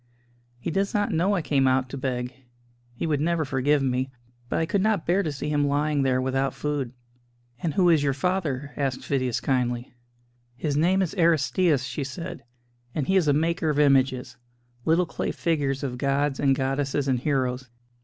He does not know I came out to beg he would never forgive me; but I could not bear to see him lying there without food." "And who is your father?" asked Phidias kindly. "His name is Aristćus," she said, "and he is a maker of images little clay figures of gods and goddesses and heroes.